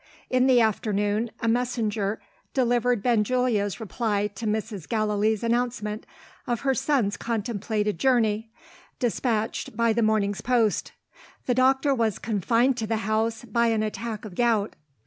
In the afternoon, a messenger delivered Benjulia's reply to Mrs. Gallilee's announcement of her son's contemplated journey despatched by the morning's post. The doctor was confined to the house by an attack of gout.